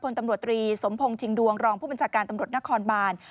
ตำรวจตรีสมพงศ์ชิงดวงรองผู้บัญชาการตำรวจนครบาน